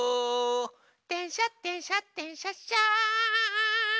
「でんしゃでんしゃでんしゃっしゃ」